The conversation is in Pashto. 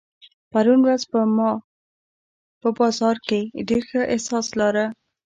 پرون ورځ ما په بازار کې ډېر ښه احساس لارۀ.